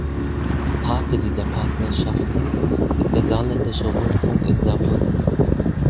Pate dieser Partnerschaften ist der Saarländische Rundfunk in Saarbrücken.